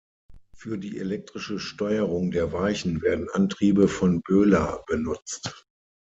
Für die elektrische Steuerung der Weichen werden Antriebe von Böhler benutzt.